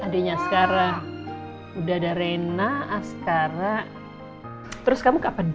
adiknya sekarang udah ada rena askara terus kamu kapan